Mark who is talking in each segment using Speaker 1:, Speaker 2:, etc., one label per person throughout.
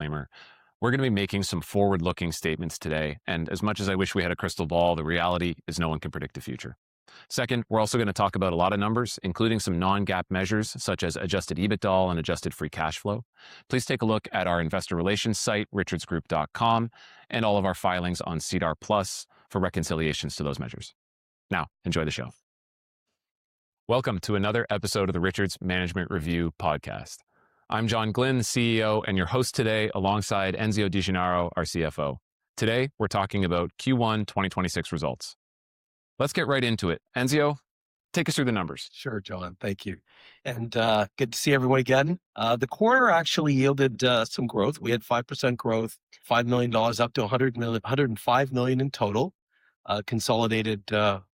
Speaker 1: Disclaimer. As much as I wish we had a crystal ball, the reality is no one can predict the future. Second, we're also going to talk about a lot of numbers, including some non-GAAP measures such as adjusted EBITDA and adjusted free cash flow. Please take a look at our investor relations site, richardsgroup.com, and all of our filings on SEDAR+ for reconciliations to those measures. Now, enjoy the show. Welcome to another episode of the "Richards Management Review" podcast. I'm John Glynn, CEO, and your host today, alongside Enzio Di Gennaro, our CFO. Today, we're talking about Q1 2026 results. Let's get right into it. Enzio, take us through the numbers.
Speaker 2: Sure, John. Thank you. Good to see everyone again. The quarter actually yielded some growth. We had 5% growth, 5 million dollars up to 105 million in total consolidated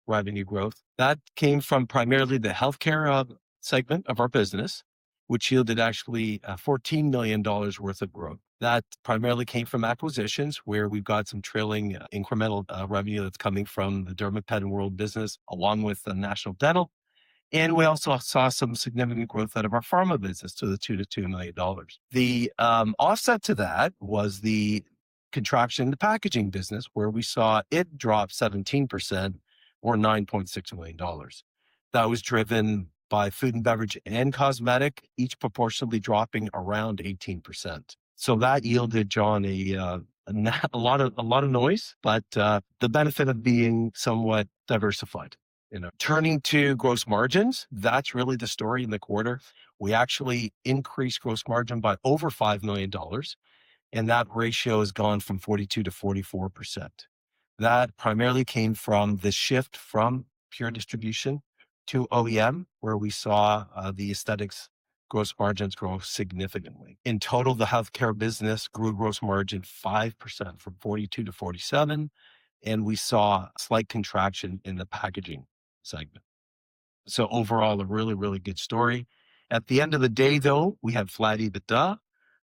Speaker 2: revenue growth. That came from primarily the healthcare segment of our business, which yielded actually 14 million dollars worth of growth. That primarily came from acquisitions where we've got some trailing incremental revenue that's coming from the Dermapen World business, along with the National Dental. We also saw some significant growth out of our pharma business to 2 million dollars. The offset to that was the contraction in the packaging business, where we saw it drop 17%, or 9.6 million dollars. That was driven by food and beverage and cosmetic, each proportionately dropping around 18%. That yielded, John, a lot of noise, but the benefit of being somewhat diversified. Turning to gross margins, that's really the story in the quarter. We actually increased gross margin by over 5 million dollars. That ratio has gone from 42%-44%. That primarily came from the shift from pure distribution to OEM, where we saw the aesthetics gross margins grow significantly. In total, the healthcare business grew gross margin 5%, from 42%-47%. We saw a slight contraction in the packaging segment. Overall, a really, really good story. At the end of the day, though, we have flat EBITDA.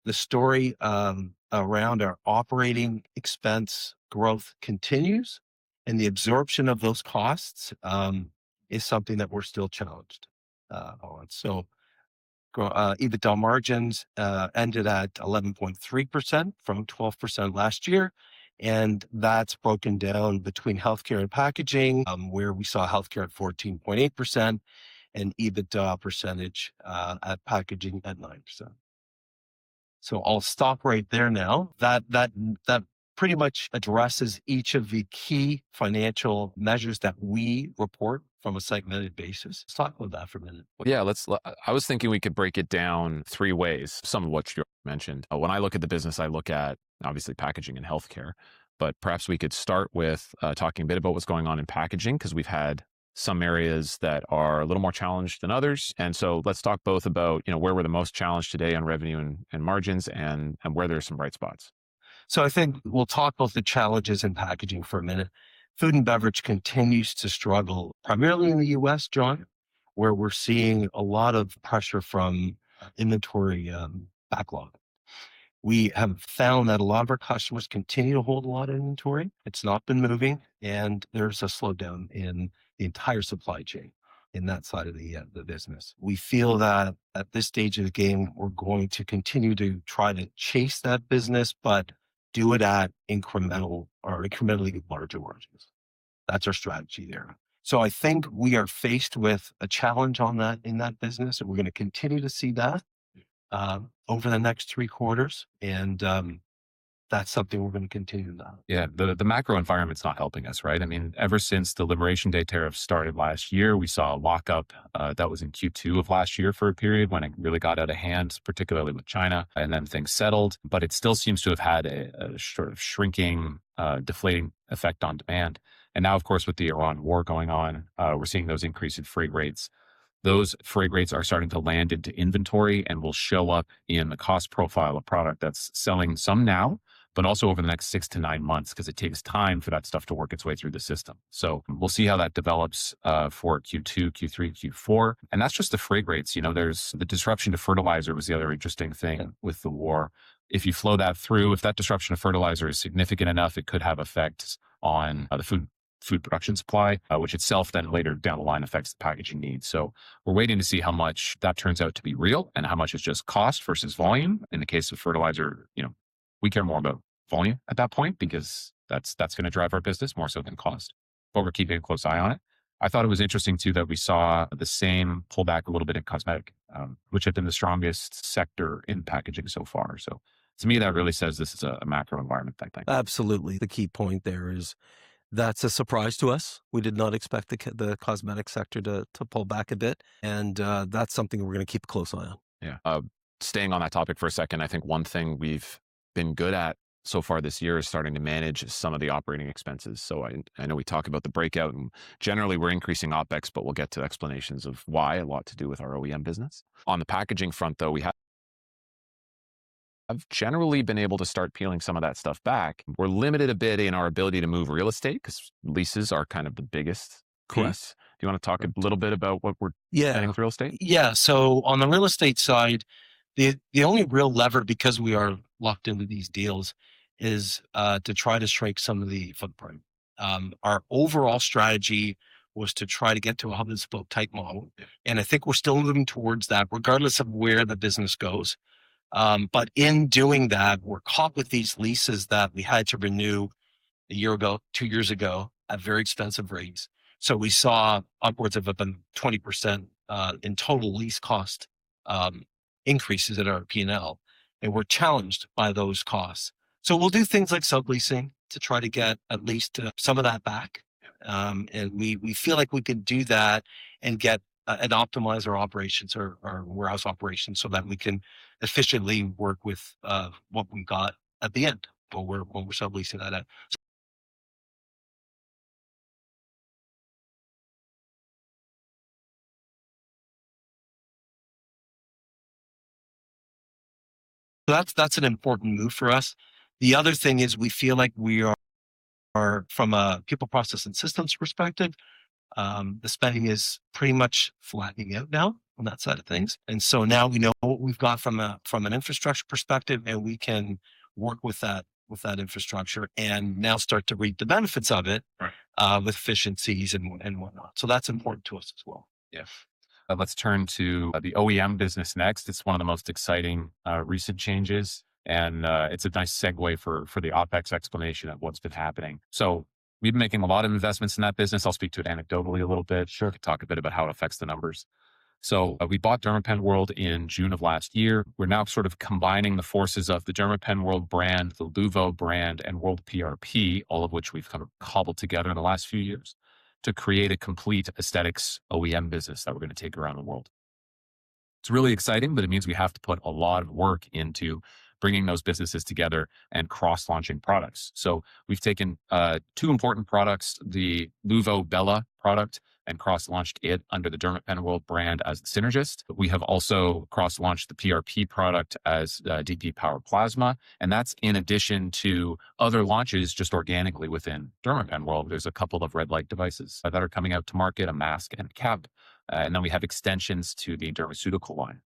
Speaker 2: The story around our operating expense growth continues, and the absorption of those costs is something that we're still challenged on. EBITDA margins ended at 11.3%-12% last year. That's broken down between healthcare and packaging, where we saw healthcare at 14.8% and EBITDA percentage at packaging at 9%. I'll stop right there now. That pretty much addresses each of the key financial measures that we report from a segmented basis. Let's talk about that for a minute.
Speaker 1: Yeah. I was thinking we could break it down three ways, some of what you already mentioned. When I look at the business, I look at obviously Packaging and Healthcare. Perhaps we could start with talking a bit about what's going on in Packaging, because we've had some areas that are a little more challenged than others. Let's talk both about where we're the most challenged today on revenue and margins and where there are some bright spots.
Speaker 2: I think we'll talk about the challenges in Packaging for a minute. Food and beverage continues to struggle, primarily in the U.S., John, where we're seeing a lot of pressure from inventory backlog. We have found that a lot of our customers continue to hold a lot of inventory. It's not been moving, and there's a slowdown in the entire supply chain in that side of the business. We feel that at this stage of the game, we're going to continue to try to chase that business, but do it at incrementally larger margins. That's our strategy there. I think we are faced with a challenge in that business, and we're going to continue to see that over the next three quarters, and that's something we're going to continue to
Speaker 1: Yeah. The macro environment's not helping us. Ever since the Liberation Day tariffs started last year, we saw a lockup that was in Q2 of last year for a period when it really got out of hand, particularly with China, then things settled. It still seems to have had a sort of shrinking, deflating effect on demand. Now, of course, with the Iran war going on, we're seeing those increase in freight rates. Those freight rates are starting to land into inventory and will show up in the cost profile of product that's selling some now, but also over the next six to nine months, because it takes time for that stuff to work its way through the system. We'll see how that develops for Q2, Q3, and Q4. That's just the freight rates. The disruption to fertilizer was the other interesting thing with the war. If you flow that through, if that disruption of fertilizer is significant enough, it could have effects on the food production supply, which itself then later down the line affects the Packaging needs. We're waiting to see how much that turns out to be real and how much is just cost versus volume. In the case of fertilizer, we care more about volume at that point because that's going to drive our business more so than cost. We're keeping a close eye on it. I thought it was interesting, too, that we saw the same pullback a little bit in Cosmetic, which had been the strongest sector in Packaging so far. To me, that really says this is a macro environment type thing.
Speaker 2: Absolutely. The key point there is that's a surprise to us. We did not expect the cosmetic sector to pull back a bit. That's something we're going to keep a close eye on.
Speaker 1: Yeah. Staying on that topic for a second, I think one thing we've been good at so far this year is starting to manage some of the operating expenses. I know we talk about the breakout. Generally we're increasing OpEx, but we'll get to explanations of why. A lot to do with our OEM business. On the packaging front, though, we have generally been able to start peeling some of that stuff back. We're limited a bit in our ability to move real estate because leases are kind of the biggest piece. Do you want to talk a little bit about what we're planning for real estate?
Speaker 2: Yeah. On the real estate side, the only real lever, because we are locked into these deals, is to try to shrink some of the footprint. Our overall strategy was to try to get to a hub and spoke type model. I think we're still moving towards that regardless of where the business goes. In doing that, we're caught with these leases that we had to renew a year ago, two years ago, at very expensive rates. We saw upwards of up in 20% in total lease cost increases at our P&L. We're challenged by those costs. We'll do things like subleasing to try to get at least some of that back. We feel like we can do that and optimize our operations, our warehouse operations, that we can efficiently work with what we got at the end when we're subleasing that out. That's an important move for us. The other thing is we feel like we are, from a people process and systems perspective, the spending is pretty much flagging out now on that side of things. Now we know what we've got from an infrastructure perspective, and we can work with that infrastructure and now start to reap the benefits of it.
Speaker 1: Right
Speaker 2: with efficiencies and whatnot. That's important to us as well.
Speaker 1: Yeah. Let's turn to the OEM business next. It's one of the most exciting recent changes, and it's a nice segue for the OpEx explanation of what's been happening. We've been making a lot of investments in that business. I'll speak to it anecdotally a little bit.
Speaker 2: Sure.
Speaker 1: Talk a bit about how it affects the numbers. We bought Dermapen World in June of last year. We're now sort of combining the forces of the Dermapen World brand, the LUVO brand, and WorldPRP, all of which we've kind of cobbled together in the last few years to create a complete aesthetics OEM business that we're going to take around the world. It's really exciting, but it means we have to put a lot of work into bringing those businesses together and cross-launching products. We've taken two important products, the LUVO BELA product, and cross-launched it under the Dermapen World brand as Synergist. We have also cross-launched the PRP product as Plasma Power, and that's in addition to other launches just organically within Dermapen World. There's a couple of red light devices that are coming out to market, a mask and a cap. We have extensions to the dermaceutical line.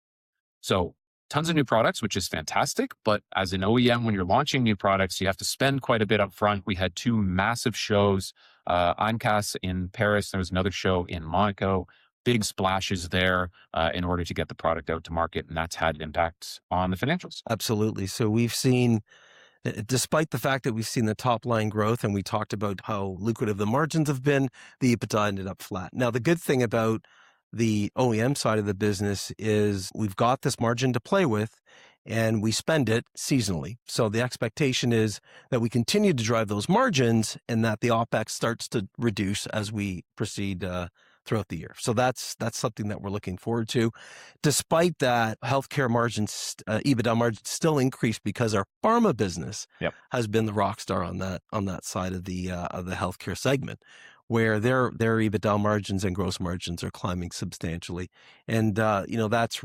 Speaker 1: Tons of new products, which is fantastic, but as an OEM, when you're launching new products, you have to spend quite a bit up front. We had two massive shows, AMWC in Paris. There was another show in Monaco. Big splashes there, in order to get the product out to market, and that's had impacts on the financials.
Speaker 2: Absolutely. Despite the fact that we've seen the top-line growth and we talked about how lucrative the margins have been, the EBITDA ended up flat. The good thing about the OEM side of the business is we've got this margin to play with and we spend it seasonally. The expectation is that we continue to drive those margins and that the OpEx starts to reduce as we proceed throughout the year. That's something that we're looking forward to. Despite that, healthcare EBITDA margins still increased because our pharma business
Speaker 1: Yep
Speaker 2: has been the rock star on that side of the healthcare segment, where their EBITDA margins and gross margins are climbing substantially. That's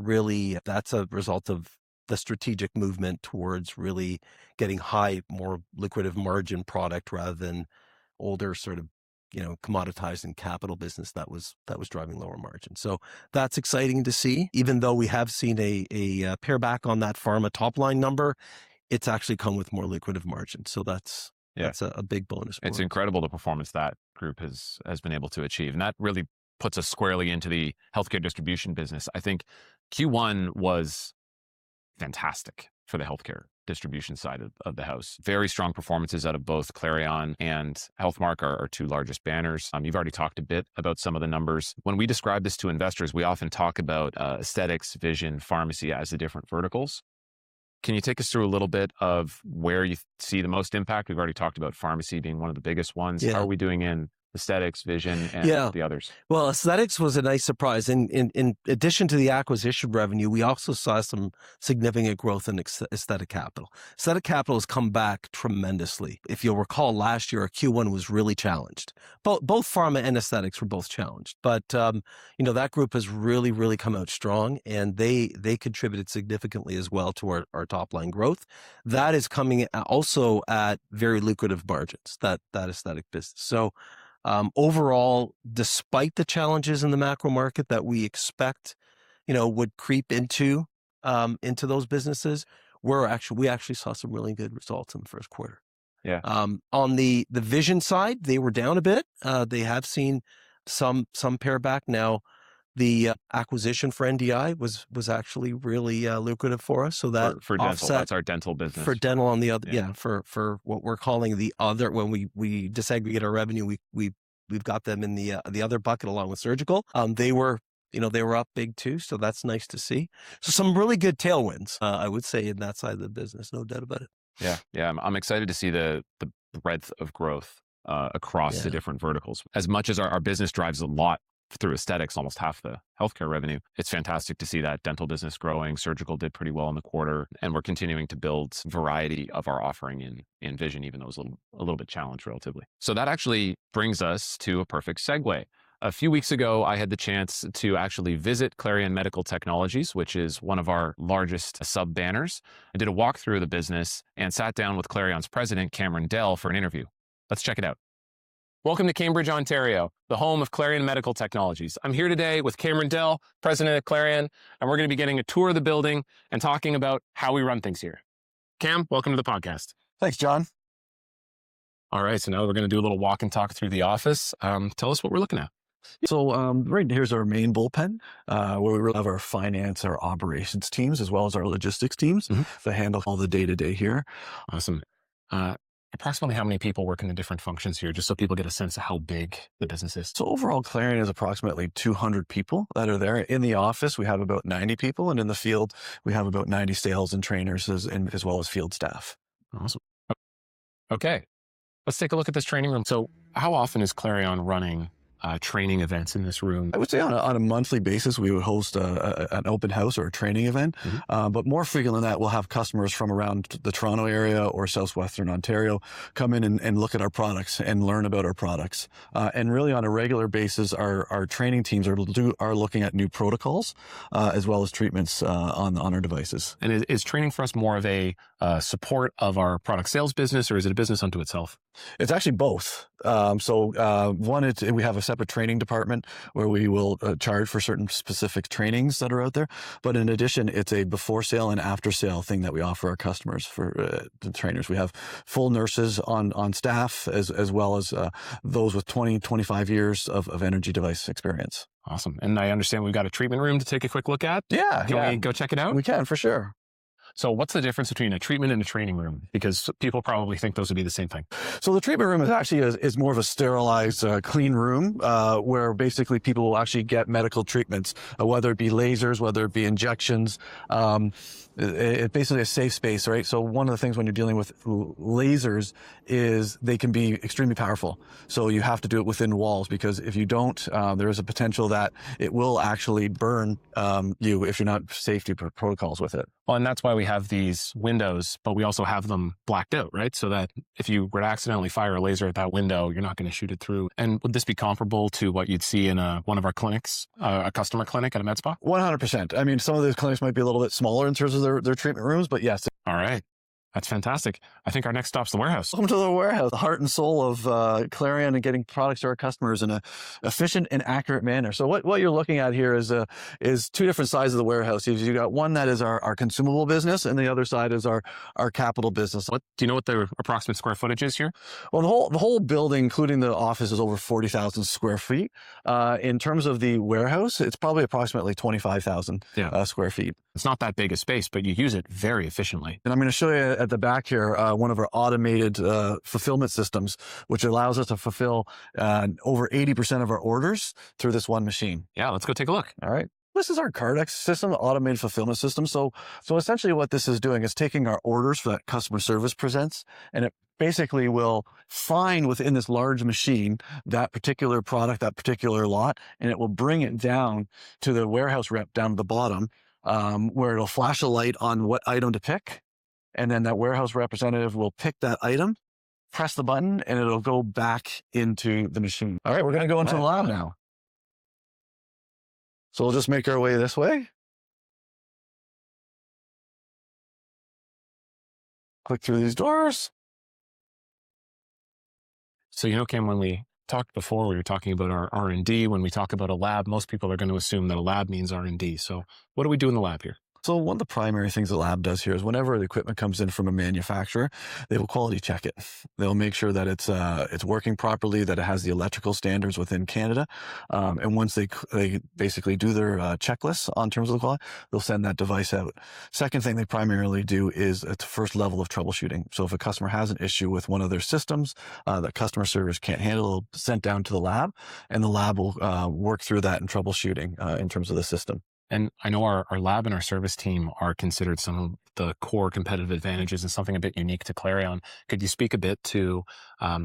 Speaker 2: a result of the strategic movement towards really getting high, more lucrative margin product rather than older sort of commoditized and capital business that was driving lower margins. That's exciting to see. Even though we have seen a pare back on that pharma top-line number, it's actually come with more lucrative margins. That's
Speaker 1: Yeah
Speaker 2: a big bonus for us.
Speaker 1: It's incredible the performance that group has been able to achieve, that really puts us squarely into the healthcare distribution business. I think Q1 was fantastic for the healthcare distribution side of the house. Very strong performances out of both Clarion and HealthMark, our two largest banners. You've already talked a bit about some of the numbers. When we describe this to investors, we often talk about aesthetics, vision, pharmacy as the different verticals. Can you take us through a little bit of where you see the most impact? We've already talked about pharmacy being one of the biggest ones.
Speaker 2: Yeah.
Speaker 1: How are we doing in aesthetics, vision, and?
Speaker 2: Yeah
Speaker 1: the others?
Speaker 2: Well, aesthetics was a nice surprise. In addition to the acquisition revenue, we also saw some significant growth in aesthetic capital. Aesthetic capital has come back tremendously. If you'll recall last year, our Q1 was really challenged. Both pharma and aesthetics were both challenged. That group has really come out strong and they contributed significantly as well to our top-line growth. That is coming also at very lucrative margins, that aesthetic business. Overall, despite the challenges in the macro market that we expect would creep into those businesses, we actually saw some really good results in the first quarter.
Speaker 1: Yeah.
Speaker 2: On the vision side, they were down a bit. They have seen some pare back. Now the acquisition for NDI was actually really lucrative for us, that offset.
Speaker 1: For dental. That's our dental business.
Speaker 2: For dental on the other.
Speaker 1: Yeah.
Speaker 2: For what we're calling the other. When we disaggregate our revenue, we've got them in the other bucket along with surgical. They were up big too. That's nice to see. Some really good tailwinds, I would say, in that side of the business, no doubt about it.
Speaker 1: Yeah. I'm excited to see the breadth of growth.
Speaker 2: Yeah
Speaker 1: the different verticals. As much as our business drives a lot through aesthetics, almost half the healthcare revenue, it's fantastic to see that dental business growing. Surgical did pretty well in the quarter, and we're continuing to build variety of our offering in vision, even though it was a little bit challenged, relatively. That actually brings us to a perfect segue. A few weeks ago, I had the chance to actually visit Clarion Medical Technologies, which is one of our largest sub-banners. I did a walkthrough of the business and sat down with Clarion's President, Cameron Dell, for an interview. Let's check it out. Welcome to Cambridge, Ontario, the home of Clarion Medical Technologies. I'm here today with Cameron Dell, President of Clarion, and we're going to be getting a tour of the building and talking about how we run things here. Cam, welcome to the podcast.
Speaker 3: Thanks, John.
Speaker 1: All right. Now we're going to do a little walk and talk through the office. Tell us what we're looking at.
Speaker 3: Right in here is our main bullpen, where we really have our finance, our operations teams, as well as our logistics teams. that handle all the day-to-day here.
Speaker 1: Awesome. Approximately how many people working in different functions here, just so people get a sense of how big the business is?
Speaker 3: Overall, Clarion has approximately 200 people that are there. In the office, we have about 90 people, and in the field, we have about 90 sales and trainers, as well as field staff.
Speaker 1: Awesome. Okay. Let's take a look at this training room. How often is Clarion running training events in this room?
Speaker 3: I would say on a monthly basis, we would host an open house or a training event. More frequent than that, we'll have customers from around the Toronto area or southwestern Ontario come in and look at our products and learn about our products. Really on a regular basis, our training teams are looking at new protocols as well as treatments on our devices.
Speaker 1: Is training for us more of a support of our product sales business, or is it a business unto itself?
Speaker 3: It's actually both. One, we have a separate training department where we will charge for certain specific trainings that are out there. In addition, it's a before-sale and after-sale thing that we offer our customers for the trainers. We have full nurses on staff, as well as those with 20, 25 years of energy device experience.
Speaker 1: Awesome. I understand we've got a treatment room to take a quick look at.
Speaker 3: Yeah.
Speaker 1: Can we go check it out?
Speaker 3: We can, for sure.
Speaker 1: What's the difference between a treatment and a training room? Because people probably think those would be the same thing.
Speaker 3: The treatment room actually is more of a sterilized, clean room, where basically people will actually get medical treatments, whether it be lasers, whether it be injections. Basically a safe space. One of the things when you're dealing with lasers is they can be extremely powerful. You have to do it within walls, because if you don't, there is a potential that it will actually burn you if you're not safety protocols with it.
Speaker 1: That's why we have these windows, but we also have them blacked out, right? That if you were to accidentally fire a laser at that window, you're not going to shoot it through. Would this be comparable to what you'd see in one of our clinics, a customer clinic at a med spa?
Speaker 3: 100%. Some of those clinics might be a little bit smaller in terms of their treatment rooms, but yes.
Speaker 1: All right. That's fantastic. I think our next stop's the warehouse.
Speaker 3: Welcome to the warehouse, the heart and soul of Clarion and getting products to our customers in an efficient and accurate manner. What you're looking at here is two different sides of the warehouse. You've got one that is our consumable business, and the other side is our capital business.
Speaker 1: Do you know what the approximate square footage is here?
Speaker 3: Well, the whole building, including the office, is over 40,000 square feet. In terms of the warehouse, it's probably approximately 25,000-
Speaker 1: Yeah
Speaker 3: square feet.
Speaker 1: It's not that big a space, but you use it very efficiently.
Speaker 3: I'm going to show you at the back here, one of our automated fulfillment systems, which allows us to fulfill over 80% of our orders through this one machine.
Speaker 1: Yeah, let's go take a look.
Speaker 3: All right. This is our Kardex system, automated fulfillment system. Essentially what this is doing is taking our orders that customer service presents, and it basically will find within this large machine that particular product, that particular lot, and it will bring it down to the warehouse rep down at the bottom, where it'll flash a light on what item to pick. Then that warehouse representative will pick that item, press the button, and it'll go back into the machine. All right, we're going to go into the lab now. We'll just make our way this way. Click through these doors.
Speaker 1: You know, Cam, when we talked before, we were talking about our R&D. When we talk about a lab, most people are going to assume that a lab means R&D. What do we do in the lab here?
Speaker 3: One of the primary things the lab does here is whenever the equipment comes in from a manufacturer, they will quality check it. They'll make sure that it's working properly, that it has the electrical standards within Canada. Once they basically do their checklists in terms of the quality, they'll send that device out. Second thing they primarily do is its 1st level of troubleshooting. If a customer has an issue with one of their systems that customer service can't handle, it'll be sent down to the lab, and the lab will work through that in troubleshooting in terms of the system.
Speaker 1: I know our lab and our service team are considered some of the core competitive advantages and something a bit unique to Clarion. Could you speak a bit to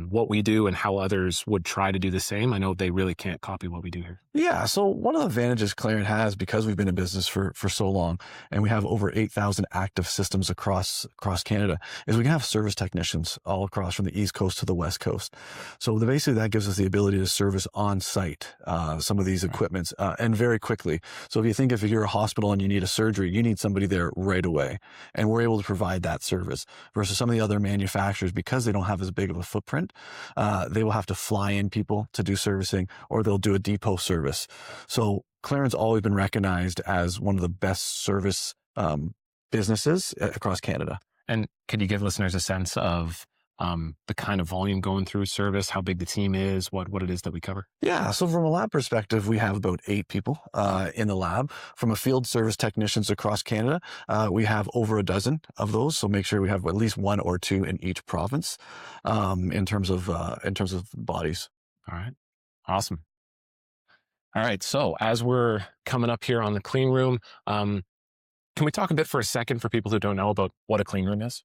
Speaker 1: what we do and how others would try to do the same? I know they really can't copy what we do here.
Speaker 3: Yeah. One of the advantages Clarion has, because we've been in business for so long, and we have over 8,000 active systems across Canada, is we can have service technicians all across from the East Coast to the West Coast. Basically, that gives us the ability to service on-site some of these equipments, and very quickly. If you think if you're a hospital and you need a surgery, you need somebody there right away. We're able to provide that service, versus some of the other manufacturers, because they don't have as big of a footprint, they will have to fly in people to do servicing, or they'll do a depot service. Clarion's always been recognized as one of the best service businesses across Canada.
Speaker 1: Could you give listeners a sense of the kind of volume going through service, how big the team is, what it is that we cover?
Speaker 3: Yeah. From a lab perspective, we have about eight people in the lab. From a field service technicians across Canada, we have over a dozen of those. Make sure we have at least one or two in each province, in terms of bodies.
Speaker 1: All right. Awesome. All right. As we're coming up here on the clean room, can we talk a bit for a second for people who don't know about what a clean room is?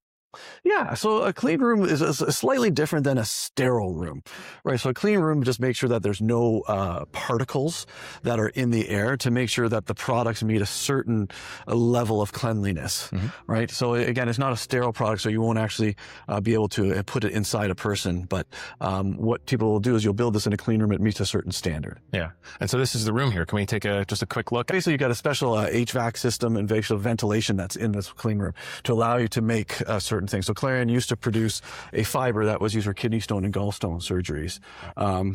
Speaker 3: Yeah. A clean room is slightly different than a sterile room. Right? A clean room just makes sure that there's no particles that are in the air to make sure that the products meet a certain level of cleanliness. Right? Again, it's not a sterile product, you won't actually be able to put it inside a person. What people will do is you'll build this in a clean room, it meets a certain standard.
Speaker 1: Yeah. This is the room here. Can we take just a quick look?
Speaker 3: Basically, you've got a special HVAC system and ventilation that's in this clean room to allow you to make certain things. Clarion used to produce a fiber that was used for kidney stone and gallstone surgeries.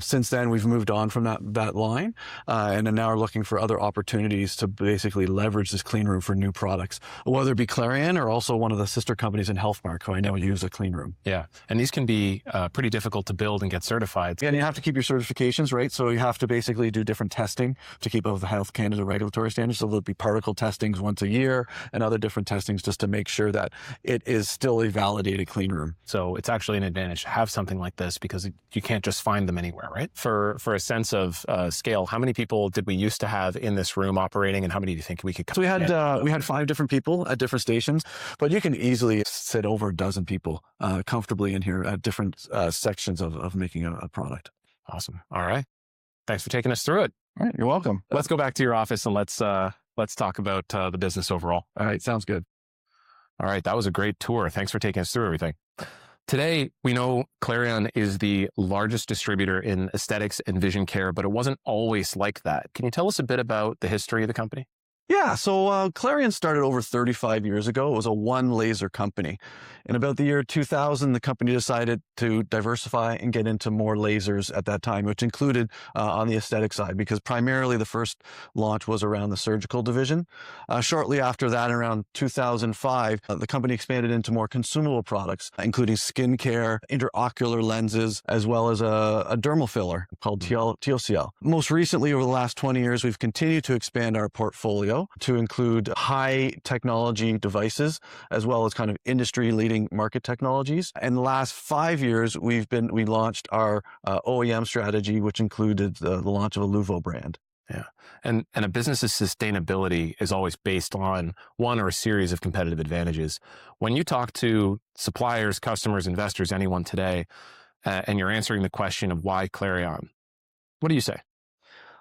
Speaker 3: Since then, we've moved on from that line, now are looking for other opportunities to basically leverage this clean room for new products, whether it be Clarion or also one of the sister companies in HealthMark who I know use a clean room.
Speaker 1: Yeah. These can be pretty difficult to build and get certified.
Speaker 3: Yeah, you have to keep your certifications, right? You have to basically do different testing to keep up with the Health Canada regulatory standards. There'll be particle testings once a year, and other different testings, just to make sure that it is still a validated clean room.
Speaker 1: It's actually an advantage to have something like this because you can't just find them anywhere, right? For a sense of scale, how many people did we used to have in this room operating, and how many do you think we could-
Speaker 3: We had five different people at different stations, you can easily fit over a dozen people comfortably in here at different sections of making a product.
Speaker 1: Awesome. All right. Thanks for taking us through it.
Speaker 3: All right. You're welcome.
Speaker 1: Let's go back to your office and let's talk about the business overall.
Speaker 3: All right, sounds good.
Speaker 1: All right. That was a great tour. Thanks for taking us through everything. Today, we know Clarion is the largest distributor in aesthetics and vision care, but it wasn't always like that. Can you tell us a bit about the history of the company?
Speaker 3: Clarion started over 35 years ago. It was a one-laser company. In about the year 2000, the company decided to diversify and get into more lasers at that time, which included on the aesthetic side, because primarily the first launch was around the surgical division. Shortly after that, around 2005, the company expanded into more consumable products, including skincare, intraocular lenses, as well as a dermal filler called Teosyal. Most recently, over the last 20 years, we've continued to expand our portfolio to include high technology devices, as well as kind of industry-leading market technologies. In the last five years, we launched our OEM strategy, which included the launch of a LUVO brand.
Speaker 1: A business's sustainability is always based on one or a series of competitive advantages. When you talk to suppliers, customers, investors, anyone today, and you're answering the question of why Clarion, what do you say?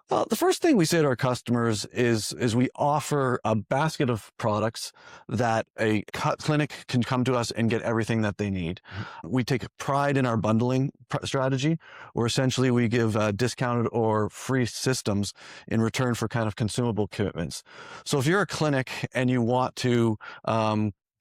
Speaker 3: The first thing we say to our customers is we offer a basket of products that a clinic can come to us and get everything that they need. We take pride in our bundling strategy, where essentially we give discounted or free systems in return for consumable commitments. If you're a clinic and you want to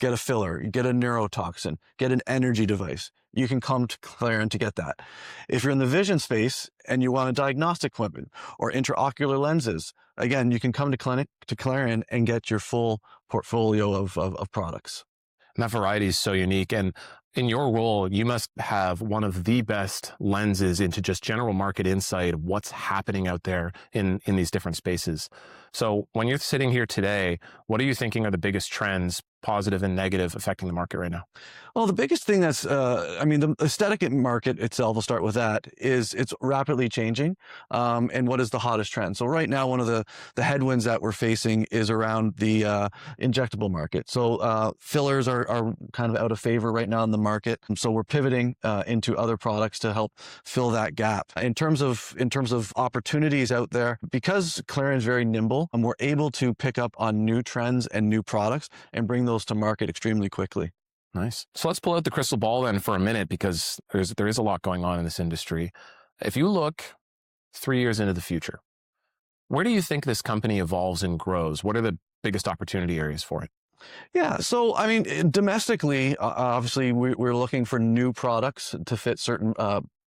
Speaker 3: get a filler, get a neurotoxin, get an energy device, you can come to Clarion to get that. If you're in the vision space and you want diagnostic equipment or intraocular lenses, again, you can come to Clarion and get your full portfolio of products.
Speaker 1: That variety is so unique and, in your role, you must have one of the best lenses into just general market insight of what's happening out there in these different spaces. When you're sitting here today, what are you thinking are the biggest trends, positive and negative, affecting the market right now?
Speaker 3: Well, the biggest thing The aesthetic market itself, we'll start with that, is it's rapidly changing. What is the hottest trend? Right now one of the headwinds that we're facing is around the injectable market. Fillers are kind of out of favor right now in the market, we're pivoting into other products to help fill that gap. In terms of opportunities out there, because Clarion's very nimble, we're able to pick up on new trends and new products and bring those to market extremely quickly.
Speaker 1: Nice. Let's pull out the crystal ball then for a minute, because there is a lot going on in this industry. If you look three years into the future, where do you think this company evolves and grows? What are the biggest opportunity areas for it?
Speaker 3: Yeah. Domestically, obviously, we're looking for new products to fit certain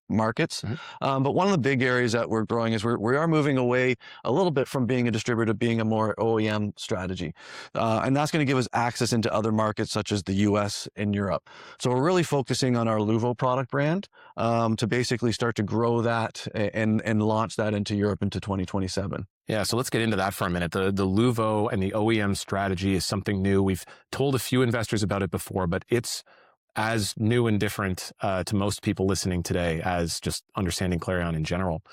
Speaker 3: markets. One of the big areas that we're growing is we are moving away a little bit from being a distributor, being a more OEM strategy. That's going to give us access into other markets such as the U.S. and Europe. We're really focusing on our LUVO product brand, to basically start to grow that and launch that into Europe into 2027.
Speaker 1: Yeah. Let's get into that for a minute. The LUVO and the OEM strategy is something new. We've told a few investors about it before, but it's as new and different to most people listening today as just understanding Clarion in general.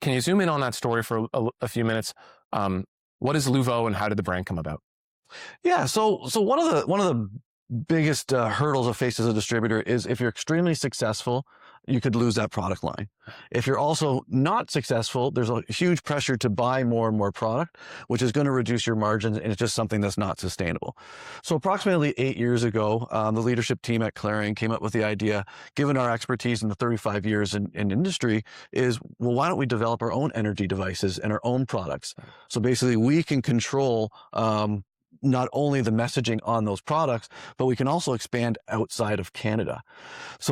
Speaker 1: Can you zoom in on that story for a few minutes? What is LUVO and how did the brand come about?
Speaker 3: Yeah. One of the biggest hurdles I face as a distributor is if you're extremely successful, you could lose that product line. If you're also not successful, there's a huge pressure to buy more and more product, which is going to reduce your margins, and it's just something that's not sustainable. Approximately eight years ago, the leadership team at Clarion came up with the idea, given our expertise in the 35 years in industry is, well, why don't we develop our own energy devices and our own products? Basically, we can control not only the messaging on those products, but we can also expand outside of Canada.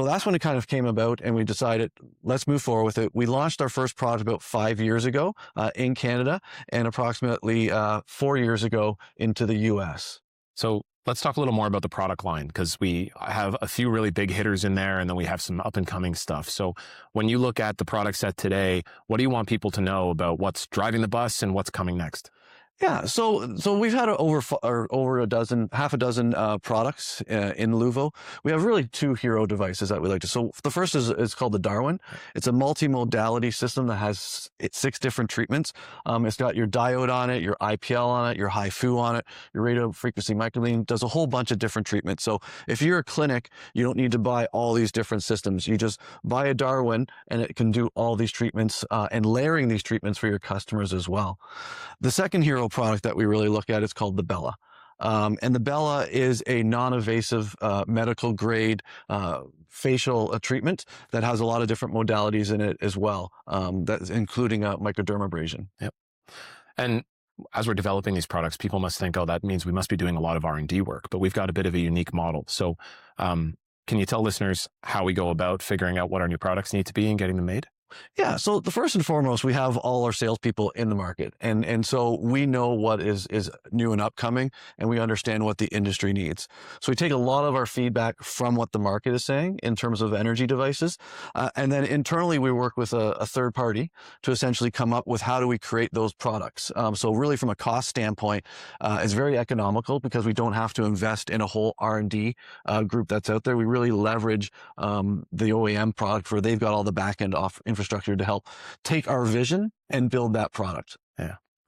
Speaker 3: That's when it kind of came about, and we decided, let's move forward with it. We launched our first product about five years ago, in Canada, and approximately four years ago into the U.S.
Speaker 1: Let's talk a little more about the product line, because we have a few really big hitters in there, and then we have some up-and-coming stuff. When you look at the product set today, what do you want people to know about what's driving the bus and what's coming next?
Speaker 3: We've had over a dozen, half a dozen, products in LUVO. We have really two hero devices that we like. The first is called the Darwin. It's a multi-modality system that has six different treatments. It's got your diode on it, your IPL on it, your HIFU on it, your radiofrequency microneedling. It does a whole bunch of different treatments. If you're a clinic, you don't need to buy all these different systems. You just buy a Darwin, and it can do all these treatments, and layering these treatments for your customers as well. The second hero product that we really look at is called the BELA. The BELA is a non-invasive, medical grade, facial treatment that has a lot of different modalities in it as well, including microdermabrasion.
Speaker 1: As we're developing these products, people must think, oh, that means we must be doing a lot of R&D work, but we've got a bit of a unique model. Can you tell listeners how we go about figuring out what our new products need to be and getting them made?
Speaker 3: The first and foremost, we have all our salespeople in the market. We know what is new and upcoming, and we understand what the industry needs. We take a lot of our feedback from what the market is saying in terms of energy devices. Internally, we work with a third party to essentially come up with how do we create those products. Really from a cost standpoint, it's very economical because we don't have to invest in a whole R&D group that's out there. We really leverage the OEM product, for they've got all the backend infrastructure to help take our vision and build that product.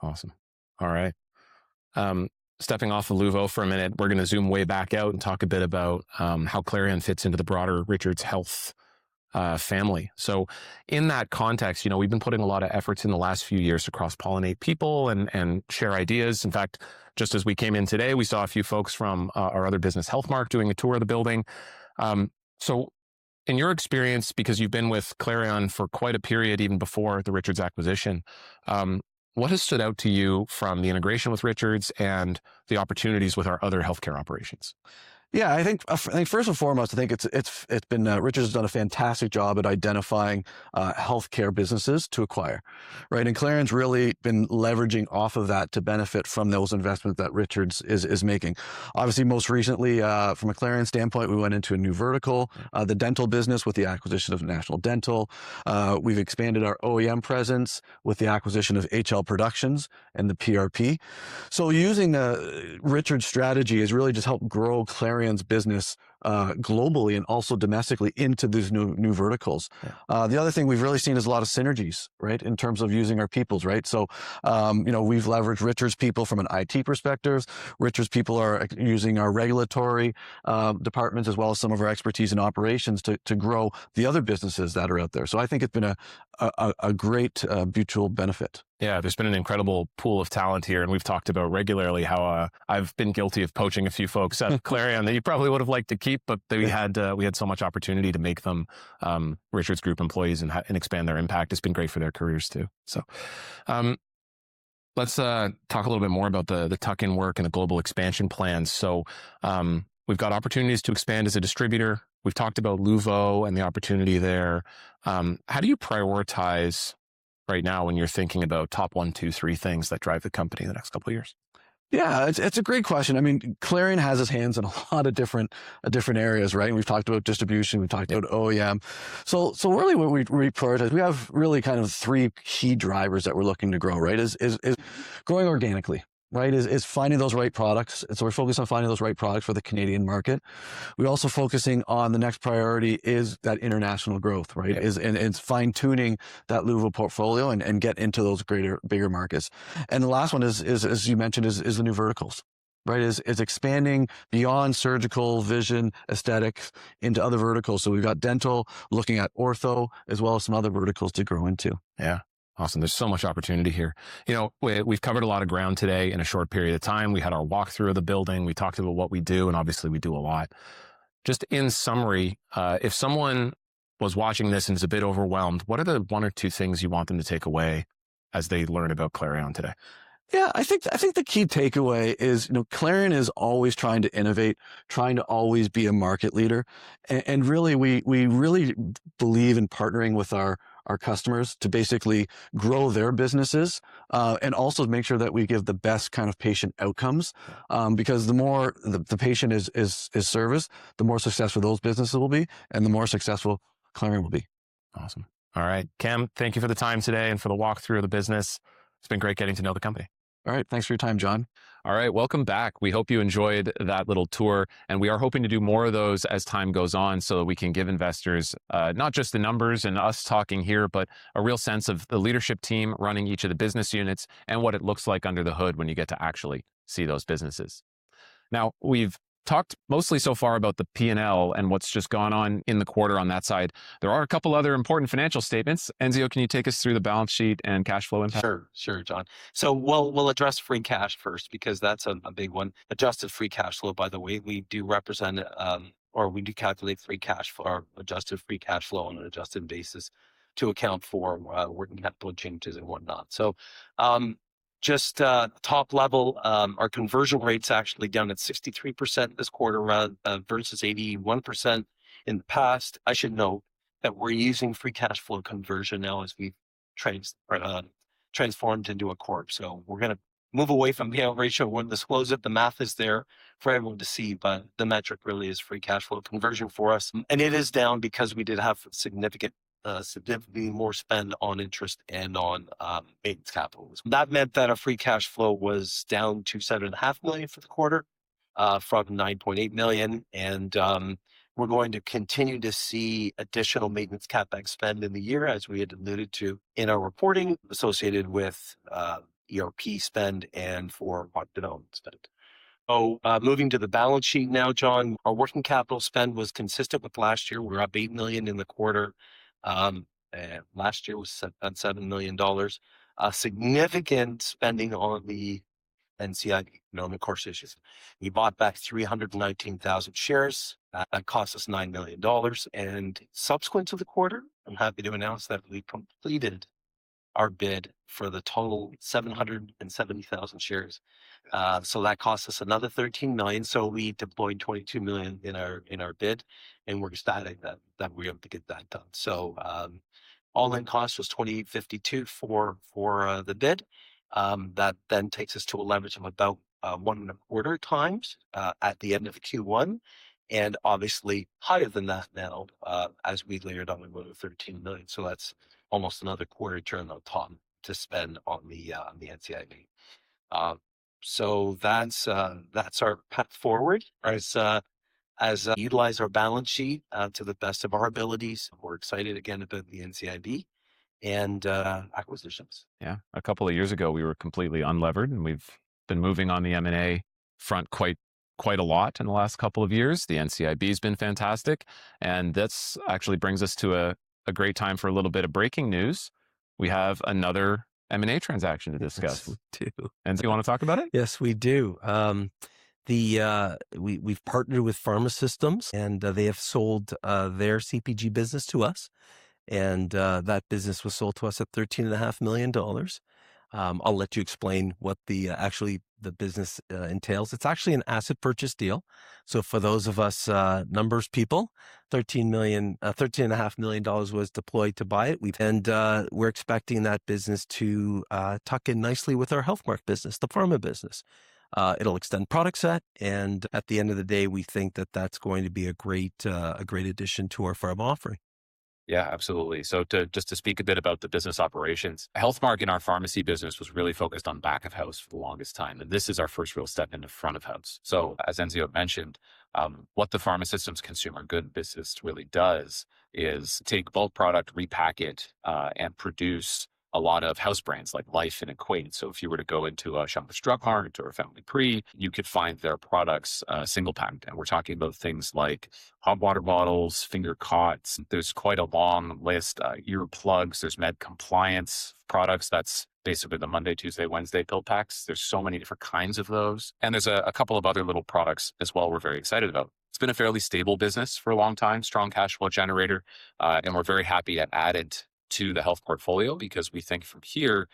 Speaker 1: Awesome. All right. Stepping off of LUVO for a minute, we're going to zoom way back out and talk a bit about how Clarion fits into the broader Richards Health family. In that context, we've been putting a lot of efforts in the last few years to cross-pollinate people and share ideas. In fact, just as we came in today, we saw a few folks from our other business, HealthMark, doing a tour of the building. In your experience, because you've been with Clarion for quite a period, even before the Richards acquisition, what has stood out to you from the integration with Richards and the opportunities with our other healthcare operations?
Speaker 3: I think first and foremost, I think Richards has done a fantastic job at identifying healthcare businesses to acquire, right? Clarion's really been leveraging off of that to benefit from those investments that Richards is making. Obviously, most recently, from a Clarion standpoint, we went into a new vertical, the dental business, with the acquisition of National Dental. We've expanded our OEM presence with the acquisition of H&L Productions and the PRP. Using Richards' strategy has really just helped grow Clarion's business globally and also domestically into these new verticals.
Speaker 1: Yeah.
Speaker 3: The other thing we've really seen is a lot of synergies, right, in terms of using our people, right? We've leveraged Richards people from an IT perspective. Richards people are using our regulatory departments, as well as some of our expertise in operations to grow the other businesses that are out there. I think it's been a great mutual benefit.
Speaker 1: There's been an incredible pool of talent here, and we've talked about regularly how I've been guilty of poaching a few folks at Clarion that you probably would've liked to keep, but we had so much opportunity to make them Richards Group employees and expand their impact. It's been great for their careers, too. Let's talk a little bit more about the tuck-in work and the global expansion plans. We've got opportunities to expand as a distributor. We've talked about LUVO and the opportunity there. How do you prioritize right now when you're thinking about top 1 to 3 things that drive the company in the next couple of years?
Speaker 3: It's a great question. Clarion has its hands in a lot of different areas, right? We've talked about distribution, we've talked about OEM. Really what we prioritize, we have really 3 key drivers that we're looking to grow, right? Is growing organically. Is finding those right products, we're focused on finding those right products for the Canadian market. We're also focusing on the next priority is that international growth, right?
Speaker 1: Yeah.
Speaker 3: It's fine-tuning that LUVO portfolio and get into those greater, bigger markets. The last one is, as you mentioned, is the new verticals, expanding beyond surgical, vision, aesthetics into other verticals. We've got dental, looking at ortho, as well as some other verticals to grow into.
Speaker 1: Yeah. Awesome. There's so much opportunity here. We've covered a lot of ground today in a short period of time. We had our walkthrough of the building. We talked about what we do, and obviously, we do a lot. Just in summary, if someone was watching this and is a bit overwhelmed, what are the one or two things you want them to take away as they learn about Clarion today?
Speaker 3: Yeah, I think the key takeaway is Clarion is always trying to innovate, trying to always be a market leader. Really, we believe in partnering with our customers to basically grow their businesses. Also make sure that we give the best kind of patient outcomes, because the more the patient is serviced, the more successful those businesses will be, and the more successful Clarion will be.
Speaker 1: Awesome. All right. Cam, thank you for the time today and for the walkthrough of the business. It's been great getting to know the company.
Speaker 3: All right. Thanks for your time, John.
Speaker 1: All right. Welcome back. We hope you enjoyed that little tour. We are hoping to do more of those as time goes on, so that we can give investors not just the numbers and us talking here, but a real sense of the leadership team running each of the business units and what it looks like under the hood when you get to actually see those businesses. We've talked mostly so far about the P&L and what's just gone on in the quarter on that side. There are a couple other important financial statements. Enzio, can you take us through the balance sheet and cash flow impact?
Speaker 2: Sure, John. We'll address free cash first because that's a big one. Adjusted free cash flow, by the way, we do represent, or we do calculate free cash flow, or adjusted free cash flow on an adjusted basis to account for working capital changes and whatnot. Just top level, our conversion rate's actually down at 63% this quarter versus 81% in the past. I should note that we're using free cash flow conversion now as we've transformed into a corp. We're going to move away from P/E ratio. We'll disclose it, the math is there for everyone to see, but the metric really is free cash flow conversion for us. It is down because we did have significantly more spend on interest and on maintenance capital. That meant that our free cash flow was down to 7.5 million for the quarter, from 9.8 million. We're going to continue to see additional maintenance CapEx spend in the year, as we had alluded to in our reporting, associated with ERP spend and for ongoing spend. Moving to the balance sheet now, Jon. Our working capital spend was consistent with last year. We're up 8 million in the quarter. Last year was at 7 million dollars. Significant spending on the NCIB, normal course issues. We bought back 319,000 shares. That cost us 9 million dollars. Subsequent to the quarter, I'm happy to announce that we completed our bid for the total 770,000 shares. That cost us another 13 million. We deployed 22 million in our bid, and we're ecstatic that we were able to get that done. All-in cost was 20.52 for the bid. That takes us to a leverage of about one and a quarter times at the end of Q1, and obviously higher than that now as we layered on another 13 million. That's almost another quarter turn on top to spend on the NCIB. That's our path forward as utilize our balance sheet to the best of our abilities. We're excited again about the NCIB and acquisitions.
Speaker 1: Yeah. A couple of years ago, we were completely unlevered, and we've been moving on the M&A front quite a lot in the last couple of years. The NCIB's been fantastic, this actually brings us to a great time for a little bit of breaking news. We have another M&A transaction to discuss.
Speaker 2: Yes, we do.
Speaker 1: Enzio, you want to talk about it?
Speaker 2: Yes, we do. We've partnered with PharmaSystems Inc., they have sold their CPG business to us, and that business was sold to us at 13.5 million dollars. I'll let you explain what actually the business entails. It's actually an asset purchase deal, so for those of us numbers people, 13.5 million dollars was deployed to buy it. We're expecting that business to tuck in nicely with our HealthMark business, the pharma business. It'll extend product set, and at the end of the day, we think that that's going to be a great addition to our pharma offering.
Speaker 1: Yeah, absolutely. Just to speak a bit about the business operations, HealthMark and our pharmacy business was really focused on back of house for the longest time, and this is our first real step into front of house. As Enzio mentioned, what the PharmaSystems Inc. consumer goods business really does is take bulk product, repack it, and produce a lot of house brands like Life and Equate. If you were to go into a Shoppers Drug Mart or a Familiprix, you could find their products single packed. We're talking about things like hot water bottles, finger cots. There's quite a long list. Ear plugs, there's med compliance products. That's basically the Monday, Tuesday, Wednesday pill packs. There's so many different kinds of those, and there's a couple of other little products as well we're very excited about. It's been a fairly stable business for a long time, strong cash flow generator. We're very happy to add it to the health portfolio because we think from here,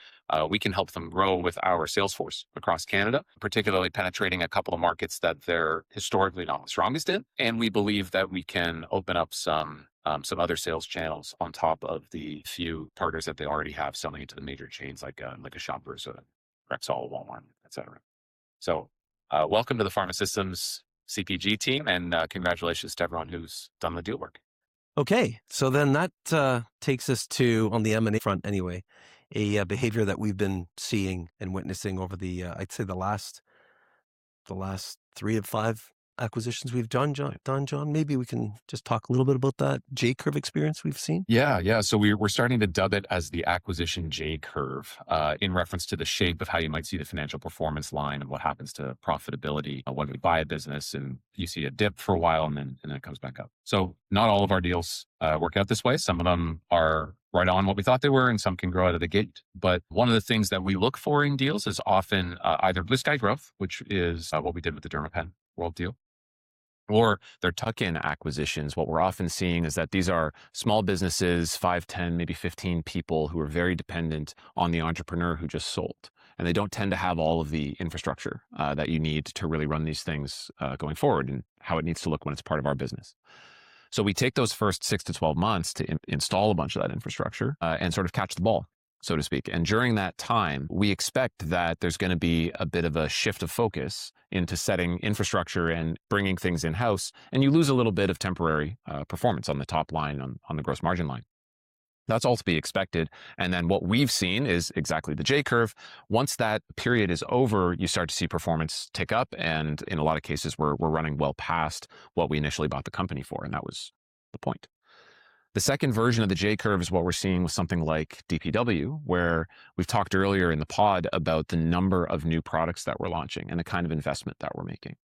Speaker 1: we can help them grow with our sales force across Canada, particularly penetrating a couple of markets that they're historically not the strongest in. We believe that we can open up some other sales channels on top of the few partners that they already have selling into the major chains like a Shoppers, a Rexall, a Walmart, et cetera. Welcome to the PharmaSystems CPG team, and congratulations to everyone who's done the deal work.
Speaker 2: That takes us to, on the M&A front anyway, a behavior that we've been seeing and witnessing over the, I'd say the last three of five acquisitions we've done, John. Maybe we can just talk a little bit about that J curve experience we've seen.
Speaker 1: Yeah. We're starting to dub it as the acquisition J curve, in reference to the shape of how you might see the financial performance line of what happens to profitability when we buy a business and you see a dip for a while and then it comes back up. Not all of our deals work out this way. Some of them are right on what we thought they were, and some can grow out of the gate. One of the things that we look for in deals is often either blue sky growth, which is what we did with the Dermapen World deal, or they're tuck-in acquisitions. What we're often seeing is that these are small businesses, 5, 10, maybe 15 people, who are very dependent on the entrepreneur who just sold. They don't tend to have all of the infrastructure that you need to really run these things going forward and how it needs to look when it's part of our business. We take those first 6 to 12 months to install a bunch of that infrastructure, and sort of catch the ball, so to speak. During that time, we expect that there's going to be a bit of a shift of focus into setting infrastructure and bringing things in-house, and you lose a little bit of temporary performance on the top line, on the gross margin line. That's all to be expected. What we've seen is exactly the J curve. Once that period is over, you start to see performance tick up, and in a lot of cases, we're running well past what we initially bought the company for, and that was the point. The second version of the J curve is what we're seeing with something like DPW, where we've talked earlier in the pod about the number of new products that we're launching and the kind of investment that we're making.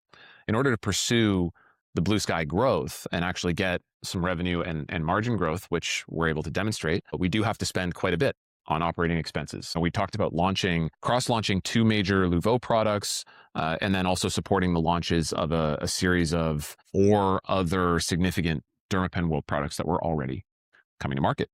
Speaker 1: In order to pursue the blue sky growth and actually get some revenue and margin growth, which we're able to demonstrate, we do have to spend quite a bit on operating expenses. We talked about cross launching two major LUVO products, and then also supporting the launches of a series of four other significant Dermapen World products that were already coming to market.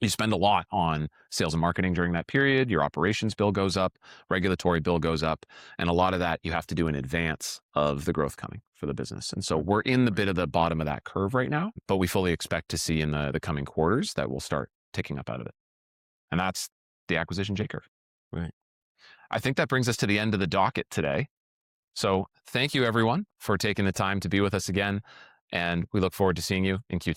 Speaker 1: You spend a lot on sales and marketing during that period. Your operations bill goes up. Regulatory bill goes up. A lot of that you have to do in advance of the growth coming for the business. We're in the bit of the bottom of that curve right now, but we fully expect to see in the coming quarters that we'll start ticking up out of it. That's the acquisition J curve.
Speaker 2: Right.
Speaker 1: I think that brings us to the end of the docket today. Thank you everyone for taking the time to be with us again, and we look forward to seeing you in Q2